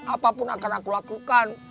apapun akan aku lakukan